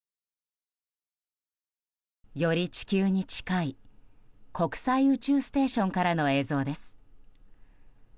より地球に近い国際宇宙ステーションからの映像です。